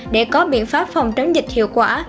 để có biện pháp phòng chống dịch hiệu quả